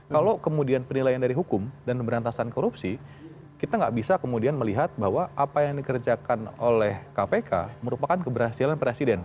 kalau kemudian penilaian dari hukum dan pemberantasan korupsi kita nggak bisa kemudian melihat bahwa apa yang dikerjakan oleh kpk merupakan keberhasilan presiden